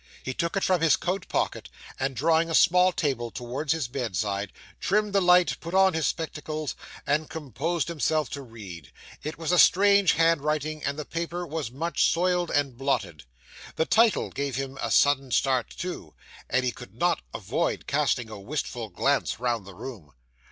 He took it from his coat pocket, and drawing a small table towards his bedside, trimmed the light, put on his spectacles, and composed himself to read. It was a strange handwriting, and the paper was much soiled and blotted. The title gave him a sudden start, too; and he could not avoid casting a wistful glance round the room.